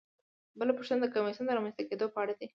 بله پوښتنه د کمیسیون د رامنځته کیدو په اړه ده.